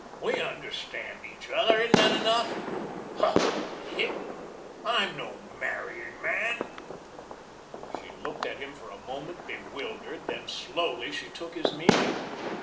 We understand each other. Isn't that enough? Pshaw, Hilma, I'M no marrying man." She looked at him a moment, bewildered, then slowly she took his meaning.